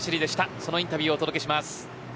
そのインタビューをお届けします。